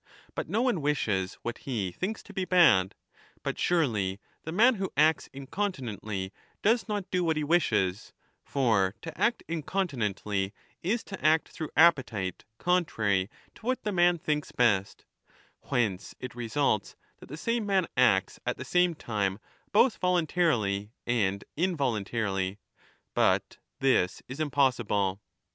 But no one wishes what he thinks to be bad ; but surely the man who acts incontinently does not do what he wishes, for to act incon tinently is to act through appetite contrary to what the man thinks best ; whence it results that the same man acts at the same time both voluntarily and involuntarily ; but 10 this is impossible.